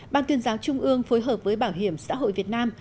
ban tuyên giáo trung ương phối hợp với bảo hiểm xã hội việt nam